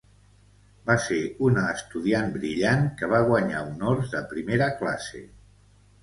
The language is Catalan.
Va ser una estudiant brillant que va guanyar honors de primera classe